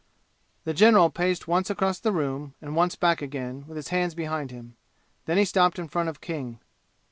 The general paced once across the room and once back again, with hands behind him. Then he stopped in front of King.